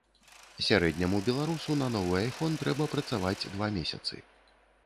Сярэдняму беларусу на новы айфон трэба працаваць два месяцы.